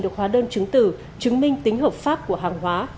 được hóa đơn chứng tử chứng minh tính hợp pháp của hàng hóa